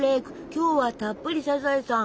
今日はたっぷりサザエさん！